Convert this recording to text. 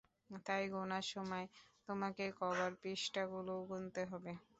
তাই, গুনার সময় তোমাকে কভার পৃষ্ঠাগুলোও গুনতে হবে।